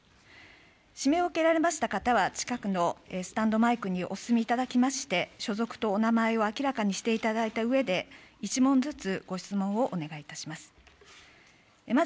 指名を受けられました方は近くのスタンドマイクにお進みいただきまして、所属とお名前を明らかにしていただいたうえで、１問ずつご質問をお願いいたします。